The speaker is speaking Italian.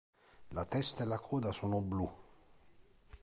La testa e la coda sono blu.